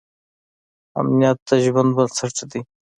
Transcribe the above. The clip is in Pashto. امنیت د ژوند بنسټ دی.